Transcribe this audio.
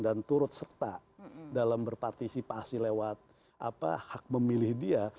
dan turut serta dalam berpartisipasi lewat hak memilih dia